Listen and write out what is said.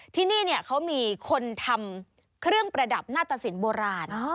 ที่นี่เขามีคนทำเครื่องประดับหน้าตะสินโบราณ